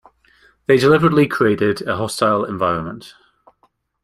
They deliberately created a hostile environment